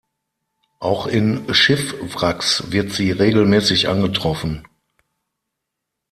Auch in Schiffswracks wird sie regelmäßig angetroffen.